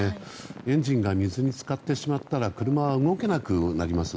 エンジンが水に浸かってしまったら車は動けなくなります。